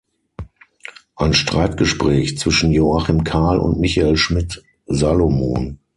Ein Streitgespräch zwischen Joachim Kahl und Michael Schmidt-Salomon".